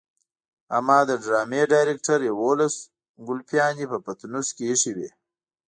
اما د ډرامې ډايرکټر يوولس ګلپيانې په پټنوس کې ايښې وي.